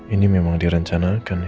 ini memang direncanakan ya